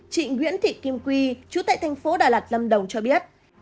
chị nguyễn thị kim quy chú tại thành phố đà lạt lâm đồng cho biết